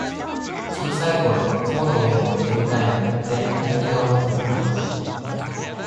小さい頃、雲の上に乗ってみたいって本気で思ってたなあ。